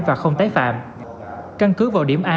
và không tái phạm căn cứ vào điểm a